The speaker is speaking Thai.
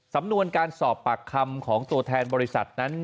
สำนวนการสอบปากคำของตัวแทนบริษัทนั้น